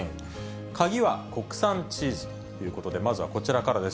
鍵は国産チーズということで、まずはこちらからです。